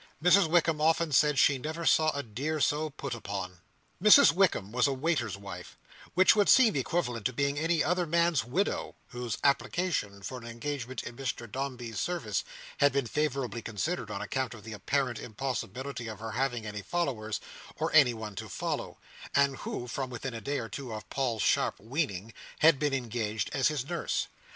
Mrs Wickam often said she never see a dear so put upon. Mrs Wickam was a waiter's wife—which would seem equivalent to being any other man's widow—whose application for an engagement in Mr Dombey's service had been favourably considered, on account of the apparent impossibility of her having any followers, or anyone to follow; and who, from within a day or two of Paul's sharp weaning, had been engaged as his nurse.